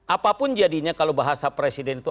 apapun jadinya kalau bahasa presiden itu